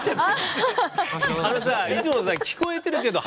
あのさ、いつもさ聞こえてるけど